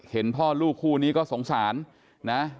พ่อลูกคู่นี้ก็สงสารนะ